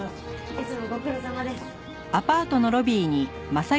いつもご苦労さまです。